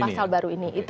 dengan pasal baru ini